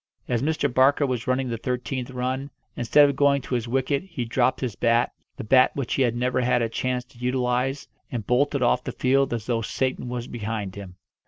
As Mr. Barker was running the thirteenth run, instead of going to his wicket he dropped his bat the bat which he had never had a chance to utilise and bolted off the field as though Satan was behind him.